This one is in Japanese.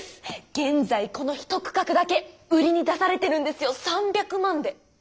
現在この一区画だけ売りに出されてるんですよ３００万で。